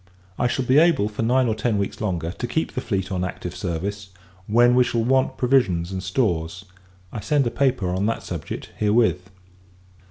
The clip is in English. I shall be able, for nine or ten weeks longer, to keep the fleet on active service, when we shall want provisions and stores. I send a paper on that subject, herewith.